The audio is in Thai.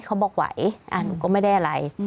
เขาบอกไหวหนูก็ไม่ได้อะไร